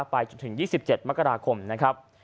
ไปจนถึง๒๗มกราคมนะครับ